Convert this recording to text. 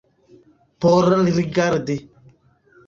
Por rigardi.